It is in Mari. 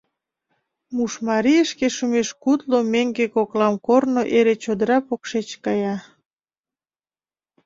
Мушмарийышке шумеш кудло меҥге коклам корно эре чодыра покшеч кая.